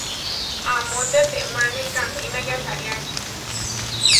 Amó tetémane kantína yasariáči.